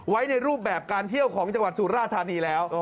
ในรูปแบบการเที่ยวของจังหวัดสุราธานีแล้ว